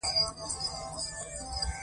مار پښې نلري او په سینه ځي